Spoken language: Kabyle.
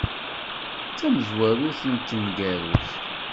D tamezwarut d tneggarut.